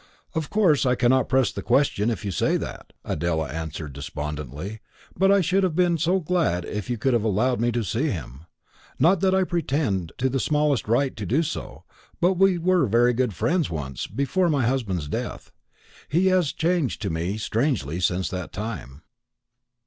"Of course I cannot press the question if you say that," Adela answered despondently; "but I should have been so glad if you could have allowed me to see him. Not that I pretend to the smallest right to do so; but we were very good friends once before my husband's death. He has changed to me strangely since that time."